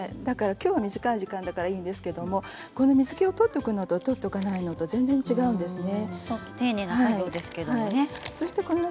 きょうは短い時間だからいいんですけれども水けを取っておくのと取っておかないのと全然違うんですね。